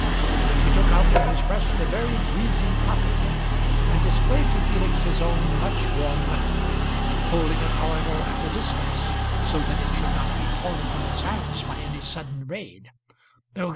And he took out from his breast a very greasy pocket book, and displayed to Felix his own much worn letter, holding it, however, at a distance, so that it should not be torn from his hands by any sudden raid.